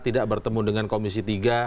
tidak bertemu dengan komisi tiga